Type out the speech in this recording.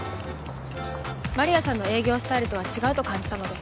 丸谷さんの営業スタイルとは違うと感じたので。